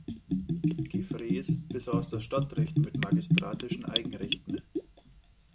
Gefrees besaß das Stadtrecht mit magistratischen Eigenrechten.